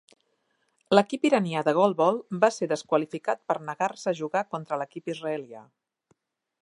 L'equip iranià de golbol va ser desqualificat per negar-se a jugar contra l'equip israelià.